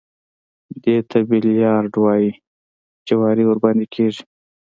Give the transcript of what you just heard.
دې ته بيليارډ وايي جواري ورباندې کېږي.